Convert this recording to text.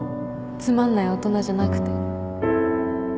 つまんない大人じゃなくて